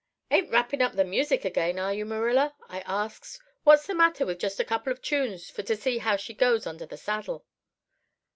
"'Ain't wrapping up the music again, are you, Marilla?' I asks. 'What's the matter with just a couple of tunes for to see how she goes under the saddle?